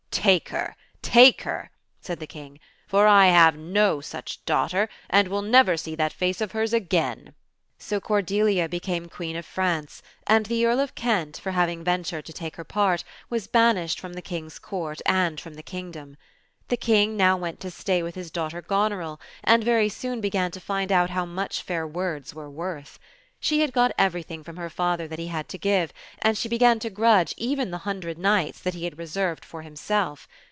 "Take her, take her," said the King; "for I have no such daugh ter, and will never see that face of hers again." So Cordelia became Queen of France, and the Earl of Kent, for having ventured to take her part, was banished from the King's Court and from the kingdom. The King now went to stay with his daughter Goneril, and very soon began to find out how much fair words were worth. She had got everything from her father that he had to give, and she began to grudge even the hundred knights that he had reserved for himself.